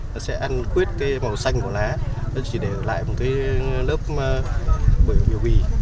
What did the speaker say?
nó sẽ ăn quyết cái màu xanh của lá nó chỉ để lại một cái lớp bởi biểu bì